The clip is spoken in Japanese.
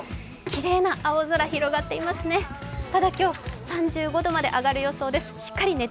きれいな青空広がっていますね。